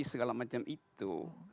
segala macam itu